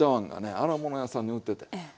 荒物屋さんに売っててん。